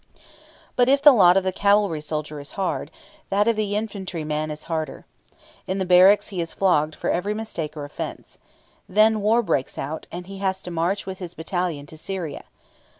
But if the lot of the cavalry soldier is hard, that of the infantry man is harder. In the barracks he is flogged for every mistake or offence. Then war breaks out, and he has to march with his battalion to Syria.